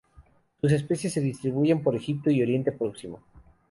Sus especies se distribuyen por Egipto y Oriente Próximo.